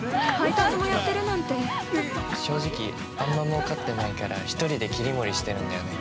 正直、あんま儲かってないから１人で切り盛りしてるんだよね。